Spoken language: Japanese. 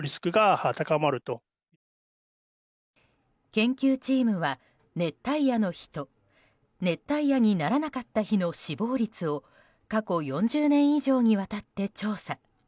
研究チームは熱帯夜の日と熱帯夜にならなかった日の死亡率を過去４０年以上にわたって調査。